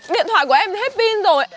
điện thoại của em hết pin rồi